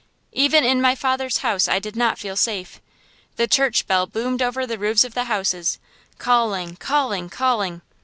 Even in my father's house I did not feel safe. The church bell boomed over the roofs of the houses, calling, calling, calling.